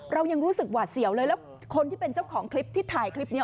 เรายังรู้สึกหวาดเสียวเลยแล้วคนที่เป็นเจ้าของคลิปที่ถ่ายคลิปนี้